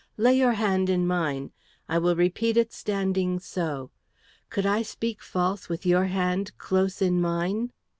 Lay your hand in mine. I will repeat it standing so. Could I speak false with your hand close in mine?"